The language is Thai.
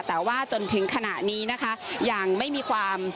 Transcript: แต่ว่าจนถึงขณะนี้นะคะยังไม่มีความ